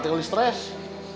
tidak ada stress